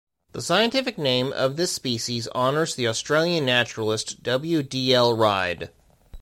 The scientific name of this species honours the Australian naturalist W. D. L. Ride.